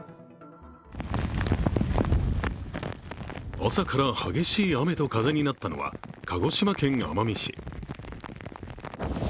朝から激しい雨と風になったのは、鹿児島県奄美市。